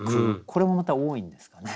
これもまた多いんですかね？